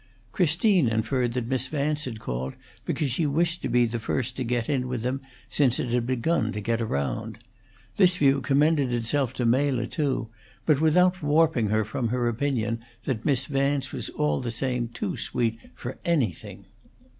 Christine inferred that Miss Vance had called because she wished to be the first to get in with them since it had begun to get around. This view commended itself to Mela, too, but without warping her from her opinion that Miss Vance was all the same too sweet for anything.